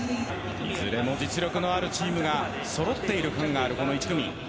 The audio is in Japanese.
いずれも実力のあるチームがそろっている１組。